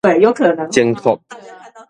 前擴